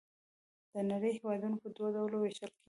د نړۍ هېوادونه په دوه ډلو ویشل کیږي.